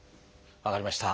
分かりました。